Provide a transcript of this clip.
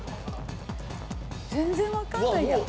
全然わからない。